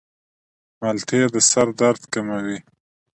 مالټې د سر درد کموي.